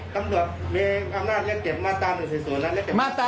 ต้องรบมีคำหน้าเรียกเก็บมาตรา๑๔๐